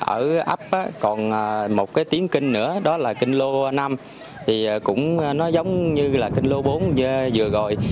ở áp còn một tiếng kinh nữa đó là kinh lô năm cũng giống như kinh lô bốn vừa rồi